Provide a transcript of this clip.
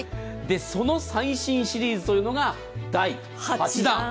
その最新シリーズというのが第８弾。